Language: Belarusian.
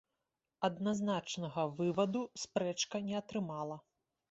Адназначнага вываду спрэчка не атрымала.